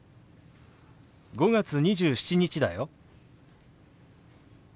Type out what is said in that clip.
５月２７日だよ。